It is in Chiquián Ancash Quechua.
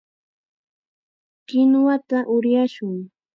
Kinuwata uryashun.